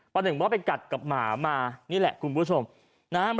ประจำว่าไปกัดกับหมามานี่แหละคุณผู้ชม